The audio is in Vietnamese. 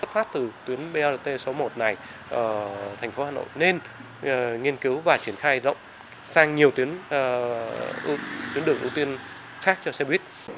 phát từ tuyến brt số một này thành phố hà nội nên nghiên cứu và triển khai rộng sang nhiều tuyến đường ưu tiên khác cho xe buýt